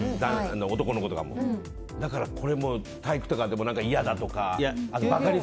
男の子とかもだから体育とかでも嫌だとか。